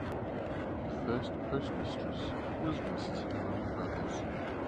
The first Postmistress was Mrs. Helen Brothers.